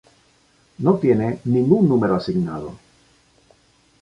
No tiene ningún número asignado.